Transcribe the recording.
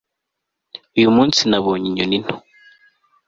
uyu munsi nabonye inyoni nto